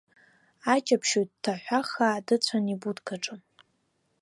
Аҷаԥшьаҩ дҭаҳәахаа дыцәан ибудкаҿы.